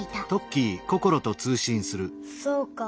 そうか。